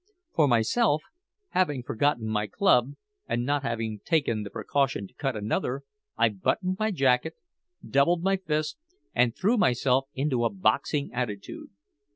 For myself, having forgotten my club, and not having taken the precaution to cut another, I buttoned my jacket, doubled my fists, and threw myself into a boxing attitude.